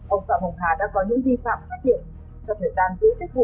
ông phạm hồng hà đã có những vi phạm phát hiện trong thời gian giữ chức vụ